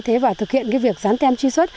thế và thực hiện việc gián tem truy xuất